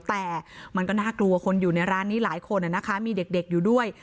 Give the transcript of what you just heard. แต่มันก็น่ากลัวคนอยู่ในร้านนี้หลายคนมีเด็กอยู่ด้วย